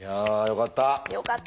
よかった！